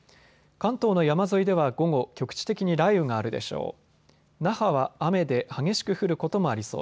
関東の山沿いでは午後、局地的に雷雨があるでしょう。